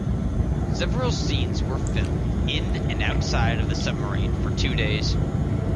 Several scenes were filmed in and outside of the submarine for two days.